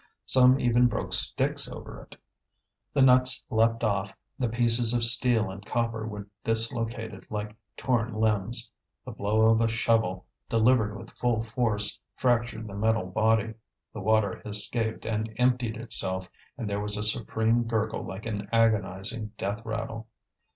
Some even broke sticks over it. The nuts leapt off, the pieces of steel and copper were dislocated like torn limbs. The blow of a shovel, delivered with full force, fractured the metal body; the water escaped and emptied itself, and there was a supreme gurgle like an agonizing death rattle.